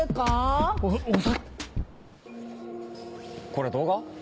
これ動画？